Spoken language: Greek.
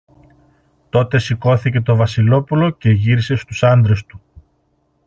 Τότε σηκώθηκε το Βασιλόπουλο και γύρισε στους άντρες του.